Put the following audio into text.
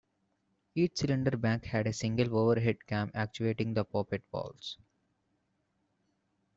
Each cylinder bank had a single overhead cam actuating the poppet valves.